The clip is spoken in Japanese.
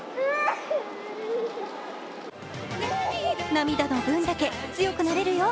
涙の分だけ強くなれるよ。